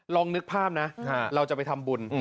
นึกภาพนะเราจะไปทำบุญ